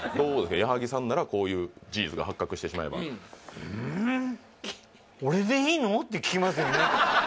矢作さんならこういう事実が発覚してしまえばうーん？って聞きますよね